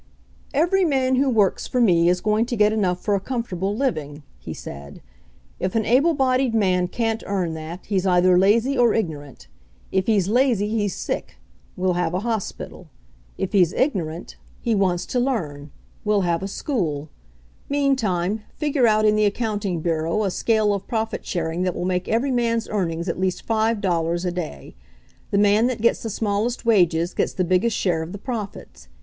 "Every man who works for me is going to get enough for a comfortable living," he said. "If an able bodied man can't earn that, he's either lazy or ignorant. If he's lazy, he's sick. We'll have a hospital. If he's ignorant, he wants to FIVE DOLLARS A DAY MINIMUM 151 learn. We'll have a school. Meantime, figure out in the accounting bureau a scale of profit sharing that will make every man's earnings at least five dollars a day. The man that gets the smallest wages gets the biggest share of the profits.